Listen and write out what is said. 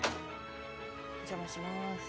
お邪魔します。